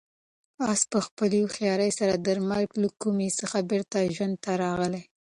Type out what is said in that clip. آس په خپلې هوښیارۍ سره د مرګ له کومې څخه بېرته ژوند ته راغی.